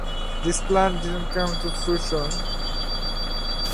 These plans did not come to fruition.